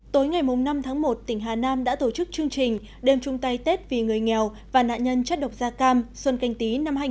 tối ngày năm tháng một tỉnh hà nam đã tổ chức chương trình đêm chung tay tết vì người nghèo và nạn nhân chất độc da cam xuân canh tí năm hai nghìn hai mươi